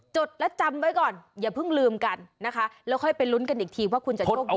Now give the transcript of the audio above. จดและจำไว้ก่อนอย่าเพิ่งลืมกันนะคะแล้วค่อยไปลุ้นกันอีกทีว่าคุณจะโชคดี